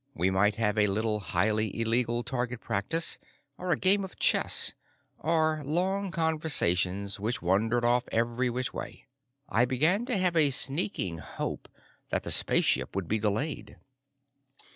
We might have a little highly illegal target practice, or a game of chess, or long conversations which wandered off every which way. I began to have a sneaking hope that the spaceship would be delayed.